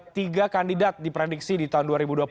tiga kandidat diprediksi di tahun dua ribu dua puluh empat